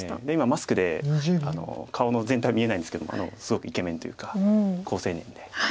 で今マスクで顔の全体見えないんですけどすごくイケメンというか好青年で。